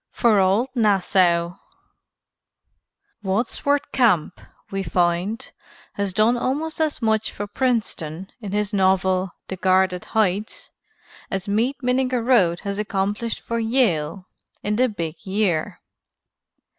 IX FOR OLD NASSAU Wadsworth Camp, we find, has done almost as much for Princeton in his novel, "The Guarded Heights," as Meade Minnigerode has accomplished for Yale in "The Big Year."